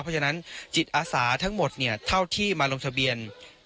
เพราะฉะนั้นจิตอาสาทั้งหมดเท่าที่มาลงทะเบียน